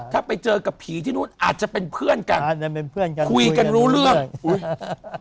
ถ้าไปเจอกับผีที่นู้นอาจจะเป็นเพื่อนกันเป็นเพื่อนกันคุยกันรู้เรื่องอุ้ย